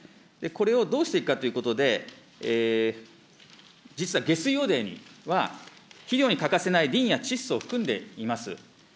これをどうしていくかということで、実は下水汚泥には肥料に欠かせないリンや窒素を含んでいます。